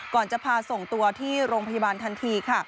ก่อนจะพาส่งตัวที่โรงพยาบาลทันที